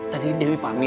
tadi dewi pamit